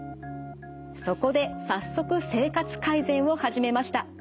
そこで早速生活改善を始めました。